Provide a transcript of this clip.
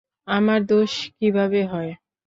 আমার দোষ কিভাবে হয়?